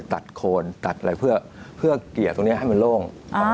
โคนตัดอะไรเพื่อเกลี่ยตรงนี้ให้มันโล่ง